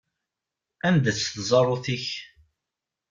Anda-tt tsarut-ik?